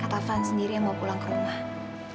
kak taufan sendiri yang mau pulang ke rumah